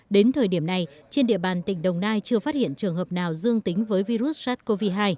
đến thời điểm này trên địa bàn tỉnh đồng nai chưa phát hiện trường hợp nào dương tính với virus sars cov hai